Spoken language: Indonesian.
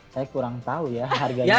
saya kurang tahu ya harganya